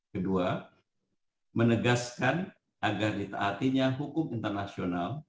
kedua menegaskan agar ditaatinya hukum internasional